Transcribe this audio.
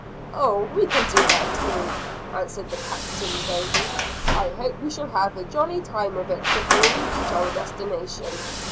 "Oh, we can do that too," answered the Captain gaily. "I hope we shall have a jolly time of it, before we reach our destination.